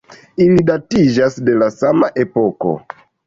Ili datiĝas de la sama epoko.